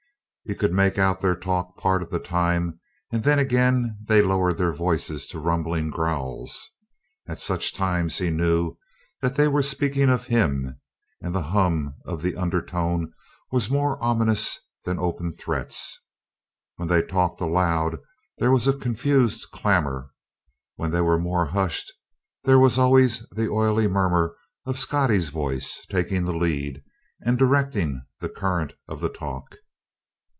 He could make out their talk part of the time; and then again they lowered their voices to rumbling growls. At such times he knew that they were speaking of him, and the hum of the undertone was more ominous than open threats. When they talked aloud there was a confused clamor; when they were more hushed there was always the oily murmur of Scottie's voice, taking the lead and directing the current of the talk.